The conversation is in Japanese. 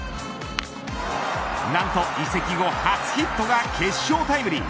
何と移籍後初ヒットが決勝タイムリー。